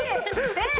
えっ！